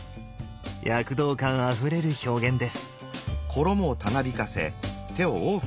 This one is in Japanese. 躍動感あふれる表現です。